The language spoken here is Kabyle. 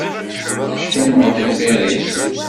Cfan ɣef lxiṛ-is.